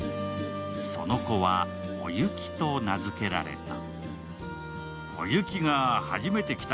その子はお雪と名付けられた。